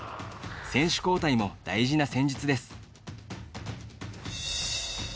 選手交代も大事な戦術です。